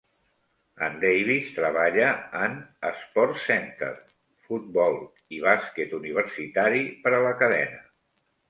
En Davis treballa en "SportsCenter", futbol i bàsquet universitari per a la cadena.